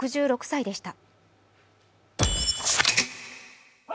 ６６歳でした。